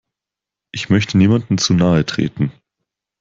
Ich möchte niemandem zu nahe treten.